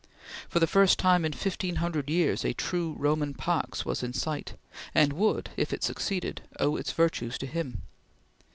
For the first time in fifteen hundred years a true Roman pax was in sight, and would, if it succeeded, owe its virtues to him.